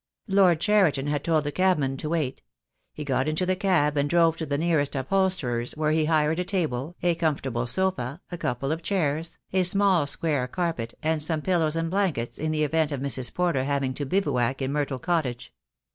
Lord Cheriton had told the cabman to wait. He got into the cab and drove to the nearest upholsterer's, where he hired a table, a comfortable sofa, a couple of chairs, a small square carpet, and some pillows and blankets, in the event of Mrs. Porter having to bivouac in Myrtle Cot tage.